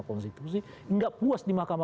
konstitusi nggak puas di makam